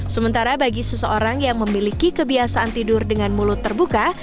sementara bagi seseorang yang memiliki kebiasaan tidur dengan mulut terbuka